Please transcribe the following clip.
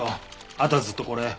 あとはずっとこれ。